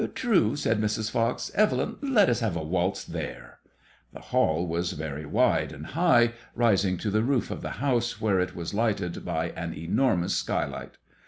"True/* said Mrs. Fox, *' Evelyn, let us have a waltz there/' The hall was very wide and high, rising to the roof of the house, where it was lighted by an enormous skylight.